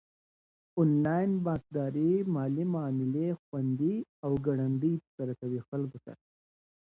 انلاين بانکداري مالي معاملي خوندي او ګړندي ترسره کوي خلکو ته.